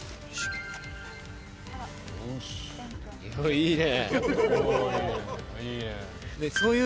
いいね！